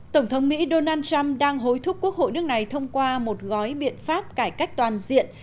tổng thống mỹ donald trump đang hối thúc quốc hội nước này thông qua một gói biện pháp cải cách toàn diện